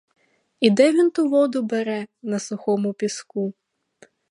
І де він ту воду бере на сухому піску?